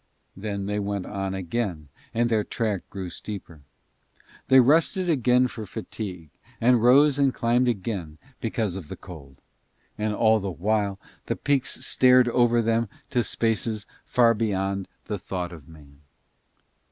Then they went on again and their track grew steeper. They rested again for fatigue, and rose and climbed again because of the cold; and all the while the peaks stared over them to spaces far beyond the thought of man.